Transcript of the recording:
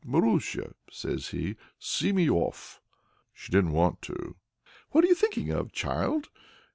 "Marusia," says he, "see me off." She didn't want to. "What are you thinking of, child?"